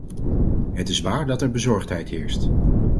Het is waar dat er bezorgdheid heerst.